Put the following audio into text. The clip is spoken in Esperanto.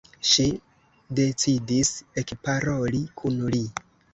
Ŝi decidis ekparoli kun li.